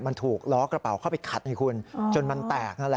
มันถูกล้อกระเป๋าเข้าไปขัดให้คุณจนมันแตก